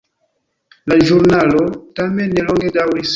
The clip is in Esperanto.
La ĵurnalo tamen ne longe daŭris.